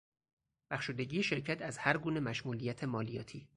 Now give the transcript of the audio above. بخشودگی شرکت از هرگونه مشمولیت مالیاتی